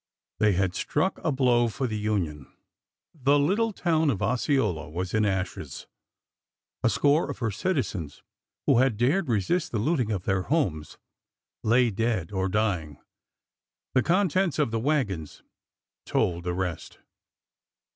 They had struck a blow for the Union. The little town of Osceola was in ashes — a score of her citizens,^ who had dared resist the looting of their homes, lay dead or dying. The contents of the wagons told the rest.